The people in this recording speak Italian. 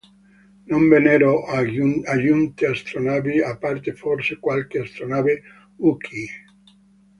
Non vennero aggiunte astronavi, a parte forse qualche astronave Wookiee.